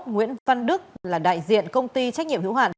nguyễn văn đức là đại diện công ty trách nhiệm hữu hạn